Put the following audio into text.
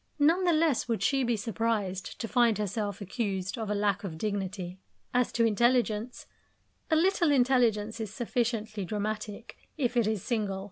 None the less would she be surprised to find herself accused of a lack of dignity. As to intelligence a little intelligence is sufficiently dramatic, if it is single.